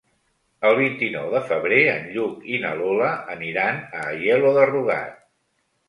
El vint-i-nou de febrer en Lluc i na Lola aniran a Aielo de Rugat.